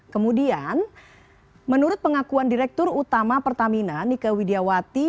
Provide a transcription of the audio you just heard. kemudian menurut pengakuan direktur utama pertamina nika widiawati